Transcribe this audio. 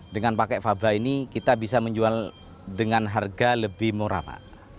dengan pakai fabra ini kita bisa menjual dengan harga lebih murah pak